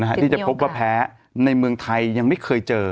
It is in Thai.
ที่จะพบว่าแพ้ในเมืองไทยยังไม่เคยเจอ